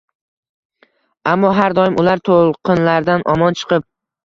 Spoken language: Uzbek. Ammo har doim ular to‘lqinlardan omon chiqib